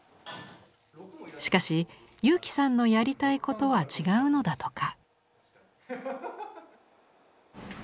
しかし佑基さんのやりたいことは違うのだとか。